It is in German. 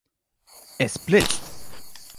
Es blitzt.